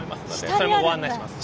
それもご案内します。